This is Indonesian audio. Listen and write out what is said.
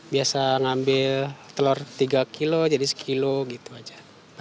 biasa ngambil telur tiga kilo jadi sekilo gitu aja